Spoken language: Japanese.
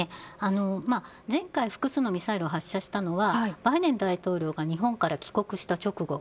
前回、複数のミサイルを発射したのはバイデン大統領が日本から帰国した直後。